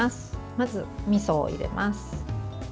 まず、おみそを入れます。